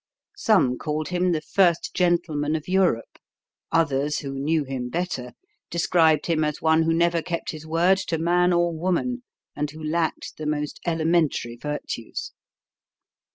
Some called him "the first gentleman of Europe." Others, who knew him better, described him as one who never kept his word to man or woman and who lacked the most elementary virtues.